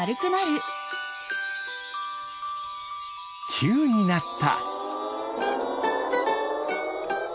きゅうになった。